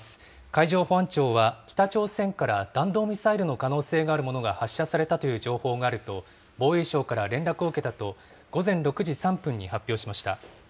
海上保安庁は、北朝鮮から弾道ミサイルの可能性があるものが発射されたという情報があると、防衛省から連絡をうけたと午前６時３分に発表しました。